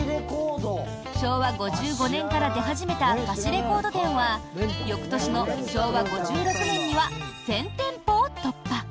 昭和５５年から出始めた貸しレコード店は翌年の昭和５６年には１０００店舗を突破。